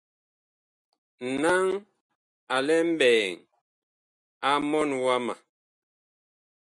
Naŋ a lɛ mɓɛɛŋ mɔɔn wama.